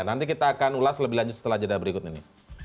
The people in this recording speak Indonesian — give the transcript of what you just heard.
nanti kita akan ulas lebih lanjut setelah jeda berikut ini